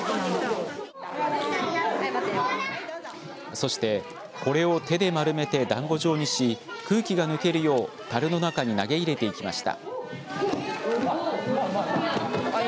そして、これを手で丸めて団子状にし、空気が抜けるよう樽の中に投げ入れていきました。